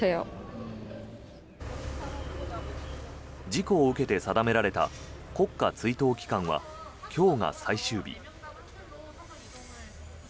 事故を受けて定められた国家追悼期間は今日が最終日。